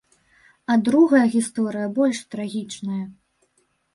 А другая гісторыя больш трагічная.